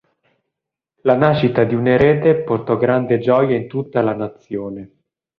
La nascita di un erede portò grande gioia in tutta la nazione.